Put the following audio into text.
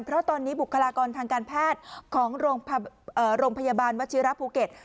เพราะตอนนี้บุคลากรทางการแพทย์ของโรงพยาบาลวชิระภูเก็ต